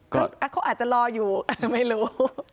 ก็อ่ะเขาอาจจะรออยู่อ่ะไม่รู้